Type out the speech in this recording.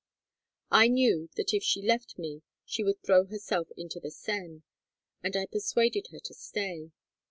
I knew that if she left me she would throw herself into the Seine, and I persuaded her to stay.